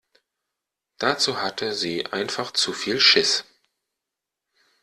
Dazu hatte sie einfach zu viel Schiss.